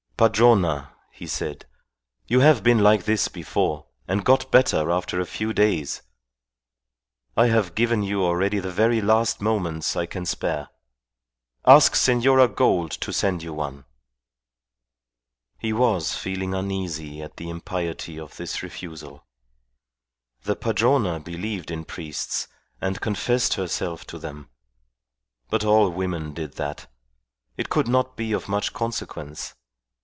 "Padrona," he said, "you have been like this before, and got better after a few days. I have given you already the very last moments I can spare. Ask Senora Gould to send you one." He was feeling uneasy at the impiety of this refusal. The Padrona believed in priests, and confessed herself to them. But all women did that. It could not be of much consequence.